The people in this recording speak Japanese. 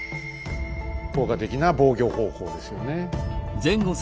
効果的な防御方法ですよね。